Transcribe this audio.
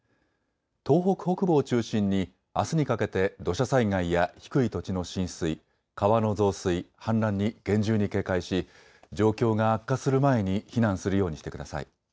東北北部を中心にあすにかけて土砂災害や低い土地の浸水、川の増水、氾濫に厳重に警戒し状況が悪化する前に避難するようにしてください。